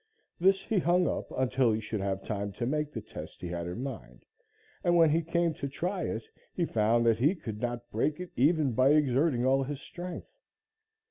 This he hung up until he should have time to make the test he had in mind, and when he came to try it he found that he could not break it even by exerting all his strength.